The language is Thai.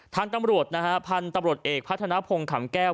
ทางตำรวจนะฮะพันธุ์ตำรวจเอกพัฒนภงขำแก้ว